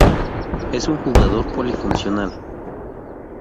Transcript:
Es un jugador polifuncional.